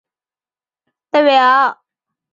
下表列出慕亚林县在州议会的代表。